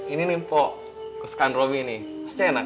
ini nih pok aku sukaan romi nih pastinya enak